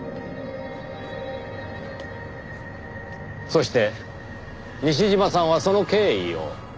そして西嶋さんはその経緯を。